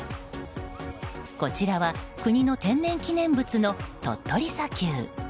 こちらは国の天然記念物の鳥取砂丘。